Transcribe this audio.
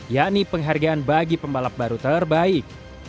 yakni penghargaan bagi pembalap baru terbaik